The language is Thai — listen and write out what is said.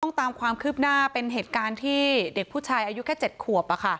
ตามความคืบหน้าเป็นเหตุการณ์ที่เด็กผู้ชายอายุแค่๗ขวบ